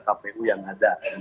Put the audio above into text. kpu yang ada